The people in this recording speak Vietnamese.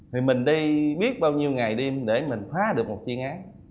thì mình đi biết bao nhiêu ngày đi để mình khóa được một chuyên án